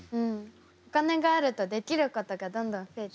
お金があるとできることがどんどん増えていく。